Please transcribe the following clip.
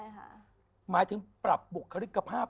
หมายถึงปรับบุคลิกภาพ